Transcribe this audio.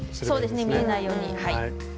そうですね見えないように。